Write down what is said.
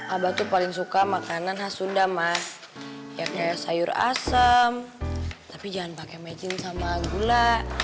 abah tuh paling suka makanan khas sunda mas ya kayak sayur asem tapi jangan pakai majin sama gula